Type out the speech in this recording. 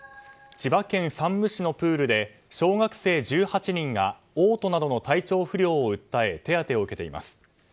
千葉県山武市のプールで小学生１８人がおう吐などの体調不良を訴え手当てを受けています。